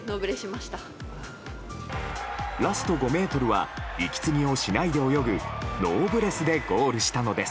ラスト５ｍは息継ぎをしないで泳ぐノーブレスでゴールしたのです。